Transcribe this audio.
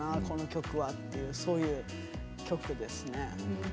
この曲はってそういう曲ですね。